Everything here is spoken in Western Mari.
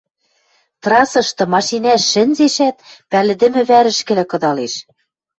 Трассышты машинӓш шӹнзешӓт, пӓлӹдӹмӹ вӓрӹшкӹлӓ кыдалеш.